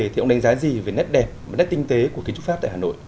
thì ông đánh giá gì về nét đẹp và nét tinh tế của kiến trúc pháp tại hà nội